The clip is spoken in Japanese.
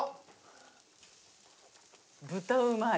豚うまい。